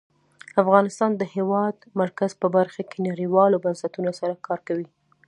افغانستان د د هېواد مرکز په برخه کې نړیوالو بنسټونو سره کار کوي.